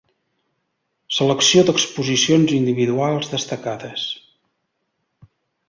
Selecció d'exposicions individuals destacades.